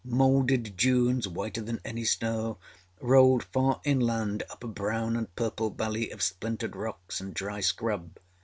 Moulded dunes, whiter than any snow, rolled far inland up a brown and purple valley of splintered rocks and dry scrub.